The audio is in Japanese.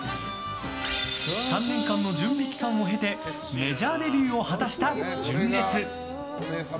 ３年間の準備期間を経てメジャーデビューを果たした純烈。